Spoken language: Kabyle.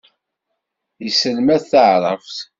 Yesselmad taɛṛabt.